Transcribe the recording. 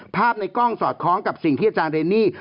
ภาพในกล้องสอดคล้องกับสิ่งที่อาจารย์เรนนี่